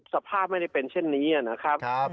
สภาพไม่ได้เป็นเช่นนี้นะครับ